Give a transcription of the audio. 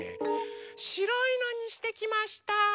しろいのにしてきました。